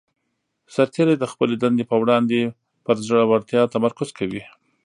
سرتیری د خپلې دندې په وړاندې پر زړه ورتیا تمرکز کوي.